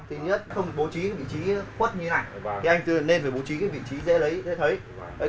thứ nhất không bố trí vị trí khuất như thế này thì anh nên phải bố trí cái vị trí dễ lấy dễ thấy